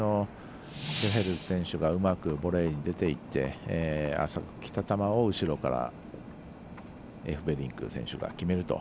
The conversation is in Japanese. シェフェルス選手がうまくボレーに出て行って浅くきた球を、後ろからエフベリンク選手が決めると。